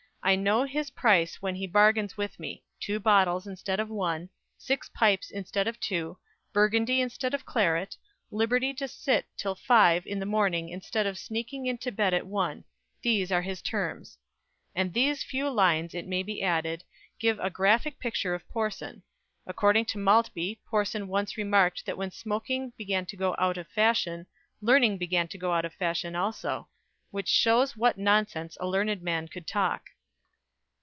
I know his price when he bargains with me; two bottles instead of one, six pipes instead of two, burgundy instead of claret, liberty to sit till five in the morning instead of sneaking into bed at one: these are his terms:" and these few lines, it may be added, give a graphic picture of Porson. According to Maltby, Porson once remarked that when smoking began to go out of fashion, learning began to go out of fashion also which shows what nonsense a learned man could talk.